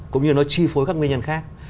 cũng như nó chi phối các nguyên nhân khác